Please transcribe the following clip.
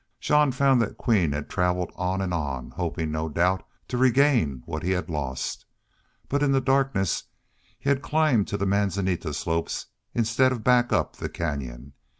Jean found that Queen had traveled on and on, hoping, no doubt, to regain what he had lost. But in the darkness he had climbed to the manzanita slopes instead of back up the canyon.